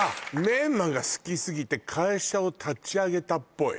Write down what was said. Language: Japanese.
メンマが好きすぎて会社を立ち上げたっぽい